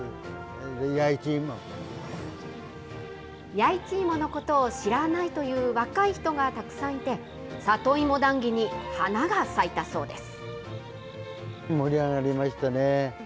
弥一芋のことを知らないという若い人がたくさんいて、里芋談義に花が咲いたそうです。